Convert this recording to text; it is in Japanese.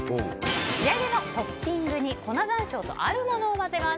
仕上げのトッピングに粉山椒と、あるものを混ぜます。